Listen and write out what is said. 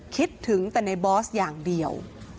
คิดถึงแต่ในบอสอย่างเดียว